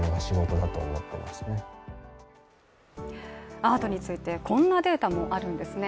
アートについて、こんなデータもあるんですね。